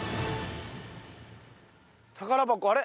宝箱あれ？